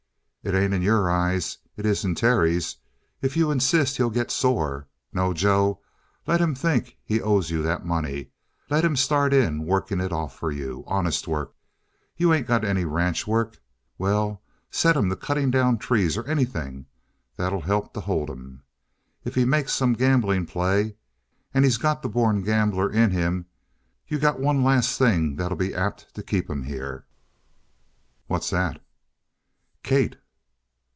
"It ain't in your eyes. It is in Terry's. If you insist, he'll get sore. No, Joe. Let him think he owes you that money. Let him start in working it off for you honest work. You ain't got any ranch work. Well, set him to cutting down trees, or anything. That'll help to hold him. If he makes some gambling play and he's got the born gambler in him you got one last thing that'll be apt to keep him here." "What's that?" "Kate."